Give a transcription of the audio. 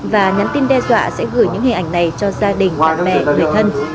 và nhắn tin đe dọa sẽ gửi những hình ảnh này cho gia đình bạn bè người thân